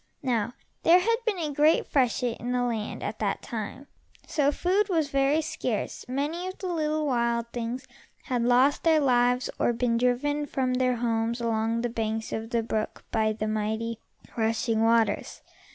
Now there had been a great freshet in the land at that time, so food was very scarce and many of the little wild things had lost their lives, or been driven from their homes along the banks of the brook by the mighty, rushing waters.